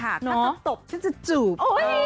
ถ้าจะตบฉันจะจูบ